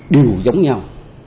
đều giống nhau